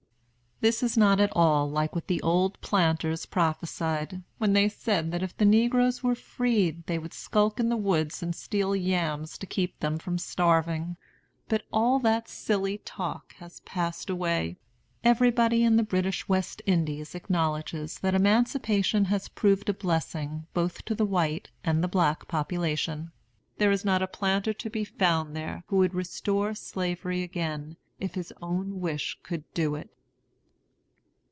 This is not at all like what the old planters prophesied, when they said that if the negroes were freed they would skulk in the woods and steal yams to keep them from starving. But all that silly talk has passed away. Everybody in the British West Indies acknowledges that emancipation has proved a blessing both to the white and the black population. There is not a planter to be found there who would restore Slavery again, if his own wish could do it.